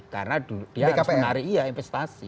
karena dia sebenarnya investasi